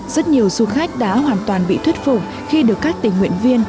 rất nhiều du khách đã hoàn toàn bị thuyết phục khi được các tình nguyện viên